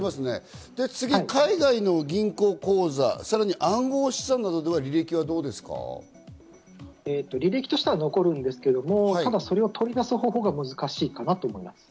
次、海外の銀行口座、さらに履歴としては残るんですけれども、それを取り出す方法は難しいかなと思います。